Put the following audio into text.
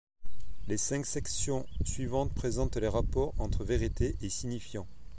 Les cinq sections suivantes présentent les rapports entre vérité et signifiant.